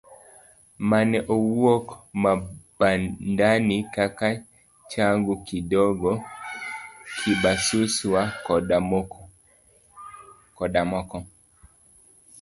Mane owuok Mabandani kaka Changu Kidogo, Kabisuswa koda moko.